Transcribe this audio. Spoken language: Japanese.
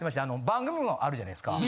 番組もあるじゃないですか。